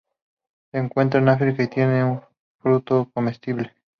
Se encuentra en África y tiene un fruto comestible.